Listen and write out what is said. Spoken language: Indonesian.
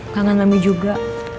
kangen kami juga